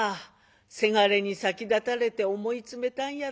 せがれに先立たれて思い詰めたんやろなあ。